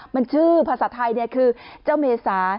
มันชื่อพศัศน์ไทยนี่คือะเมษา